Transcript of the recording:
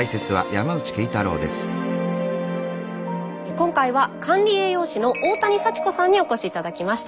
今回は管理栄養士の大谷幸子さんにお越し頂きました。